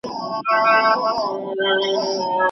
انا غوښتل چې په ځان کې د کرکې لامل پیدا کړي.